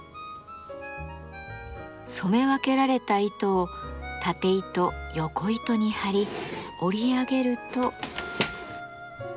染め分けられた糸をたて糸よこ糸に張り織り上げると。